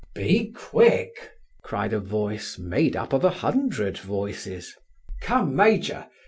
"Be quick!" cried a voice, made up of a hundred voices. "Come, major!